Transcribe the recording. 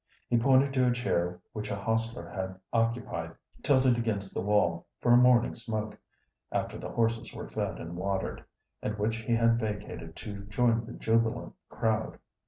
He pointed to a chair which a hostler had occupied, tilted against the wall, for a morning smoke, after the horses were fed and watered, and which he had vacated to join the jubilant crowd.